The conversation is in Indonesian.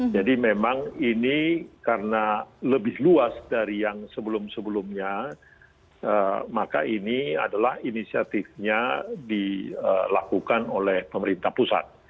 jadi memang ini karena lebih luas dari yang sebelum sebelumnya maka ini adalah inisiatifnya dilakukan oleh pemerintah pusat